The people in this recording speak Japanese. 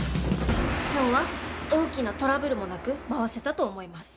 今日は大きなトラブルもなく回せたと思います。